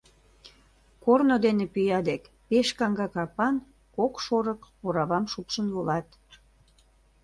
Корно дене пӱя дек пеш каҥга капан, кок шорык оравам шупшын волат.